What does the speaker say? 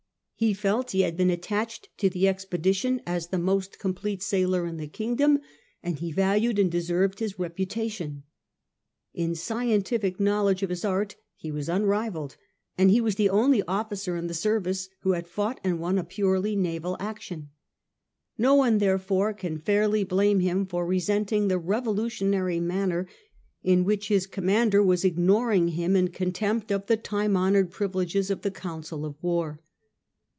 He felt he had been attached to the expedition as the most complete sailor in the kingdom, and he valued and deserved his reputation. In the scientific knowledge of his art he was unrivalled, and he was the only officer in the service who had fought and won a purely naval action. No one, therefore, can fairly blame him for resenting the revolutionary manner in which his commander was ignoring him in contempt of the time honoured privileges of the council of war.